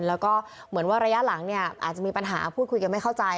แล้วก็เหมือนว่าระยะหลังเนี่ยอาจจะมีปัญหาพูดคุยกันไม่เข้าใจ